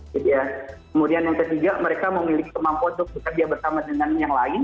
kemudian yang ketiga mereka memiliki kemampuan untuk bekerja bersama dengan yang lain